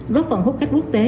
góp phần hút khách quốc tế